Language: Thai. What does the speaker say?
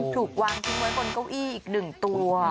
ถูกวางทิ้งไว้บนเก้าอี้อีก๑ตัว